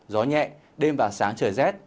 gió nhẹ đêm và sáng trời rét